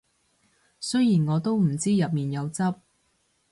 雖然我都唔知入面有汁